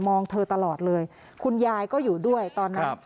เธอตลอดเลยคุณยายก็อยู่ด้วยตอนนั้น